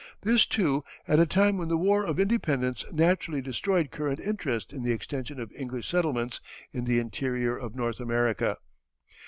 This, too, at a time when the war of independence naturally destroyed current interest in the extension of English settlements in the interior of North America.